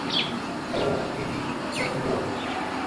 おはよう、元気ー？、最近どう？？